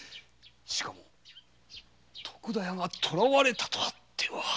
しかも徳田屋が捕われたとあっては。